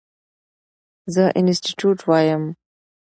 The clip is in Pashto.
زه انسټيټيوټ وایم.